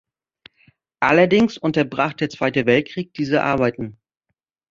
Allerdings unterbrach der Zweite Weltkrieg diese Arbeiten.